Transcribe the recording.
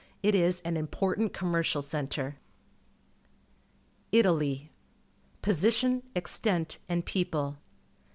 It is an important commercial centre. ITALY t^ Position, Extent, and People.